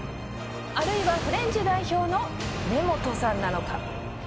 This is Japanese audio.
あるいはフレンチ代表の根本さんなのか？